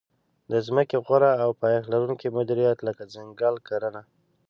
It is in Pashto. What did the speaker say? د ځمکې غوره او پایښت لرونکې مدیریت لکه ځنګل کرنه.